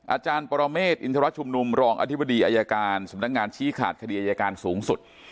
อาจารย์ปรเมฆอินทรชุมนุมรองอธิบดีอายการสำนักงานชี้ขาดคดีอายการสูงสุด